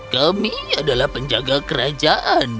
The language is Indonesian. kami adalah penjaga kerajaan